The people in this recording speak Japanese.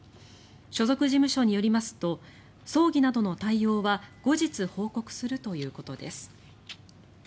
所属事務所によりますと葬儀などの対応は後日、報告するということです。